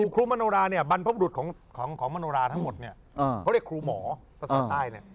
ครูมโนราเนี่ยบรรพบรุษของมโนราทั้งหมดเนี่ยเขาเรียกครูหมอภาษาใต้เนี่ย